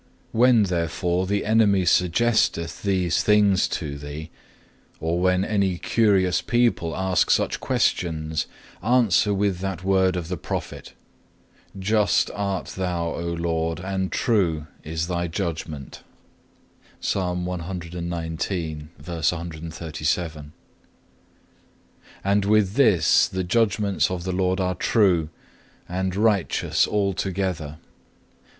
When therefore the enemy suggesteth these things to thee, or when any curious people ask such questions, answer with that word of the Prophet, Just art Thou, O Lord, and true is Thy judgment,(1) and with this, The judgments of the Lord are true, and righteous altogether.